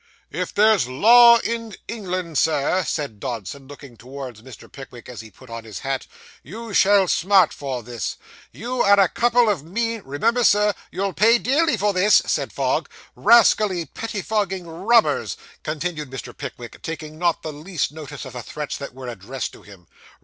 'If there's law in England, sir,' said Dodson, looking towards Mr. Pickwick, as he put on his hat, 'you shall smart for this.' 'You are a couple of mean ' 'Remember, sir, you pay dearly for this,' said Fogg. ' Rascally, pettifogging robbers!' continued Mr. Pickwick, taking not the least notice of the threats that were addressed to him.